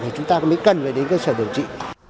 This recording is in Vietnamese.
thì chúng ta mới cần phải đến cơ sở điều trị